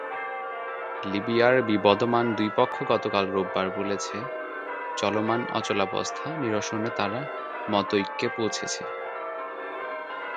লিবিয়ার বিবদমান দুই পক্ষ গতকাল রোববার বলেছে, চলমান অচলাবস্থা নিরসনে তারা মতৈক্যে পৌঁছেছে।